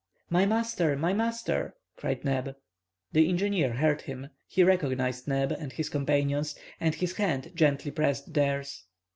"My master! my master!" cried Neb. The engineer heard him. He recognized Neb and his companions, and his hand gently pressed theirs.